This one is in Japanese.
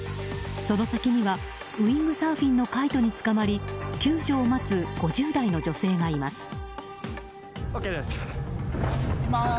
その先にはウィングサーフィンのカイトにつかまり救助を待つ５０代の女性がいます。